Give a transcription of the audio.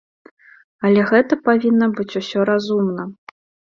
Але гэта павінна быць усё разумна.